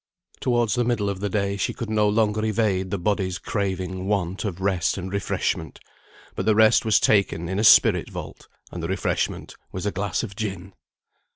Towards the middle of the day she could no longer evade the body's craving want of rest and refreshment; but the rest was taken in a spirit vault, and the refreshment was a glass of gin.